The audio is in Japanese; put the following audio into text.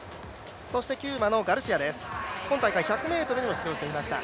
そしてキューバのガルシアです、今大会１００ｍにも出場していました。